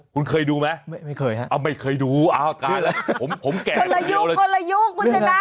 คุณเคยดูไหมไม่เคยฮะคนละยุคคนละยุคคุณจะนะ